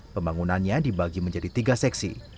pembangunannya dibagi menjadi tiga seksi